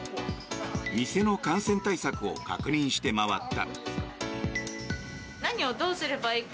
店の感染対策を確認して回った。